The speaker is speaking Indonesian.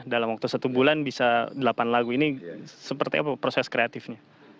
dalam waktu satu bulan bisa delapan lagu ini seperti apa proses kreatifnya